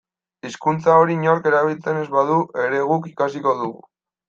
Hizkuntza hori inork erabiltzen ez badu ere guk ikasiko dugu.